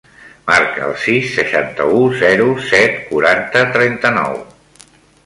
Marca el sis, seixanta-u, zero, set, quaranta, trenta-nou.